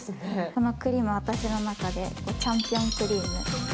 このクリームは、私の中でチャンピオンクリーム。